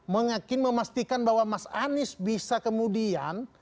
mengakin memastikan bahwa mas anies bisa kemudian